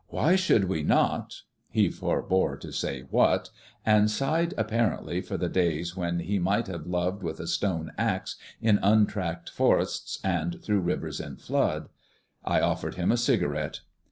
Why should we not " He forbore to say what, and sighed, apparently for the days when he might have loved with a stone axe in untracked forests and through rivers in flood. I offered him a cigarette.